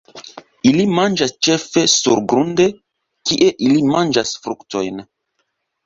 Ili manĝas ĉefe surgrunde, kie ili manĝas fruktojn.